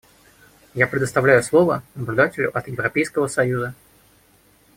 Я предоставлю слово наблюдателю от Европейского союза.